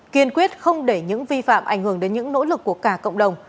kiên quyết không để những vi phạm ảnh hưởng đến những nỗ lực của cả cộng đồng